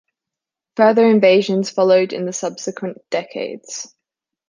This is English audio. Further invasions followed in the subsequent decades.